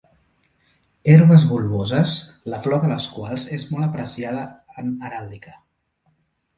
Herbes bulboses la flor de les quals és molt apreciada en heràldica.